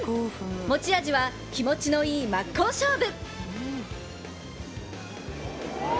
持ち味は、気持ちのいい真っ向勝負。